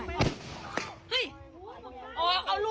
นี่เป็นเอกนี่เอาเน่น